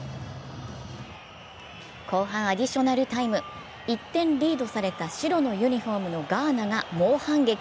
後半アディショナルタイム１点リードされた白のユニフォームのガーナが猛反撃。